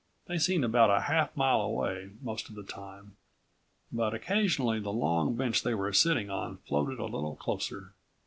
They seemed about a half mile away most of the time, but occasionally the long bench they were sitting on floated a little closer.